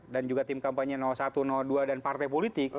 dan juga tim kampanye satu dua dan partai politik